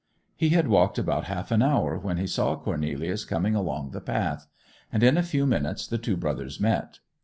He had walked about half an hour when he saw Cornelius coming along the path; and in a few minutes the two brothers met.